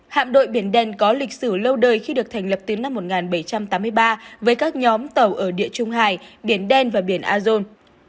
hạm đội biển đen có lịch sử lâu đời khi được thành lập từ năm một nghìn bảy trăm tám mươi ba với các nhóm tàu ở địa trung hải biển đen và biển azon